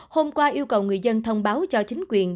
hôm qua yêu cầu người dân thông báo cho chính quyền